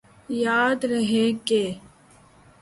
یاد رہے کہ